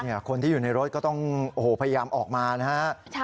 คนที่อยู่ในรถก็ต้องโอ้โหพยายามออกมานะฮะ